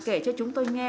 kể cho chúng tôi nghe